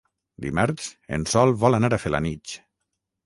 Dimarts en Sol vol anar a Felanitx.